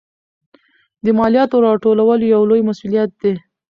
د مالیاتو راټولول یو لوی مسوولیت دی.